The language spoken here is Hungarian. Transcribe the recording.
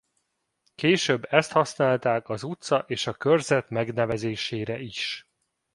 Később ezt használták az utca és a körzet megnevezésére is.